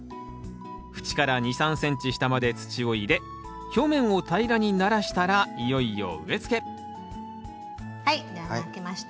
縁から２３ｃｍ下まで土を入れ表面を平らにならしたらいよいよ植え付けはい穴あけました。